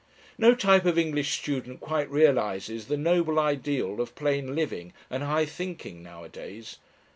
No type of English student quite realises the noble ideal of plain living and high thinking nowadays.